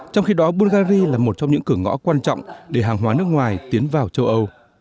trong khi đó bungary là một trong những cửa ngõ quan trọng để hàng hóa nước ngoài tiến vào châu âu